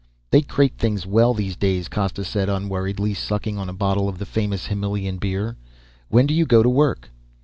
"They crate things well these days," Costa said unworriedly, sucking on a bottle of the famous Himmelian beer. "When do you go to work?"